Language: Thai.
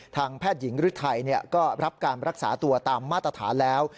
แพทย์หญิงฤทัยก็รับการรักษาตัวตามมาตรฐานแล้ว